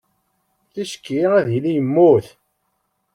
Ticki, ad yili yemmut.